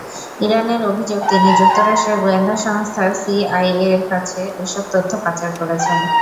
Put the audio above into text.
ইরানের অভিযোগ, তিনি যুক্তরাষ্ট্রের গোয়েন্দা সংস্থা সিআইএর কাছে এসব তথ্য পাচার করেছেন।